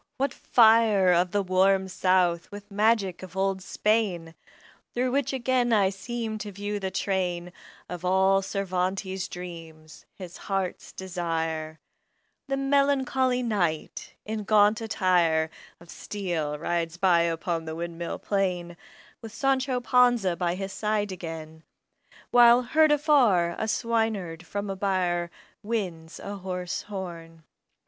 what fire Of the "warm South" with magic of old Spain! Through which again I seem to view the train Of all Cervantes' dreams, his heart's desire: The melancholy Knight, in gaunt attire Of steel rides by upon the windmill plain With Sancho Panza by his side again, While, heard afar, a swineherd from a byre Winds a hoarse horn.